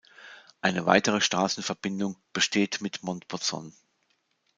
Eine weitere Straßenverbindung besteht mit Montbozon.